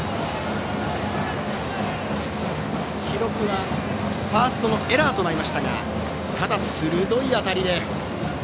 記録はファーストのエラーとなりましたがただ、鋭い当たりで。